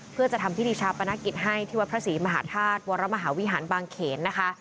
เพื่อจะทำพิธีชาปนกิจให้ที่วัดพระศรีมหาธาตุวรมหาวิหารบางเขนนะคะ